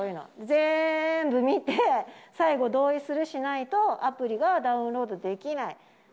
全部見て、最後、同意するしないとアプリがダウンロードできない。